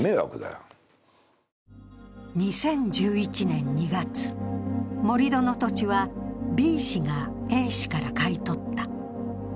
２０１１年２月、盛り土の土地はＢ氏がＡ氏から買い取った。